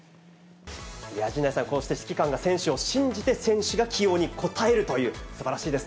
陣内さん、こうして指揮官が選手を信じて選手が起用に応えるという、すばら